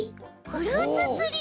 フルーツツリー？